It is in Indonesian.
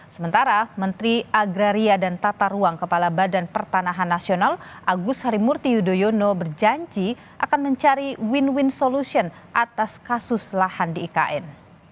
sementara menteri agraria dan tata ruang kepala badan pertanahan nasional agus harimurti yudhoyono berjanji akan mencari win win solution atas kasus lahan di ikn